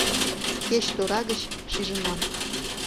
Кеч тора гыч – шижынам.